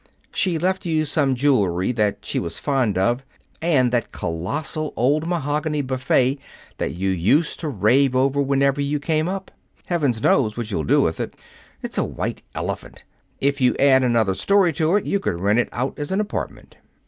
She left you some jewelry that she was fond of, and that colossal old mahogany buffet that you used to rave over whenever you came up. Heaven knows what you'll do with it! It's a white elephant. If you add another story to it, you could rent it out as an apartment."